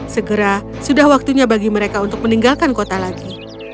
segera sudah waktunya bagi mereka untuk meninggalkan kota lagi